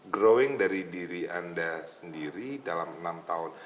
growing dari diri anda sendiri dalam enam tahun